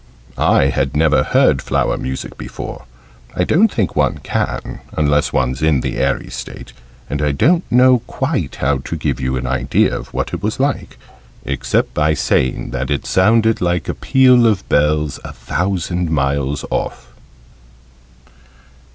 I had never heard flower music before I don't think one can, unless one's in the 'eerie' state and I don't know quite how to give you an idea of what it was like, except by saying that it sounded like a peal of bells a thousand miles off.